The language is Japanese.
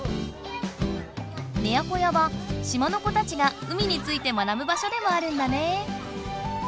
ねやこやは島の子たちが海について学ぶ場所でもあるんだね。